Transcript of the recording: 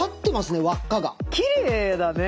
きれいだね。